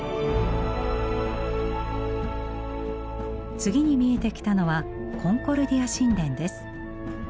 次に見えてきたのはコンコルディア神殿です。